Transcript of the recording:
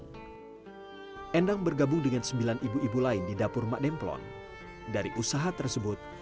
hai endang bergabung dengan sembilan ibu ibu lain di dapur mak demplon dari usaha tersebut